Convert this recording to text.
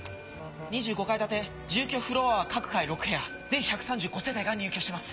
２５階建て住居フロアは各階６部屋全１３５世帯が入居してます。